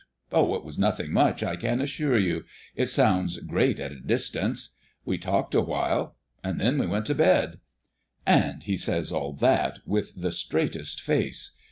Oh, it was nothing much, I can assure you! It sounds great at a distance. We talked awhile, and then we went to bed." "And he says all that with the straightest face!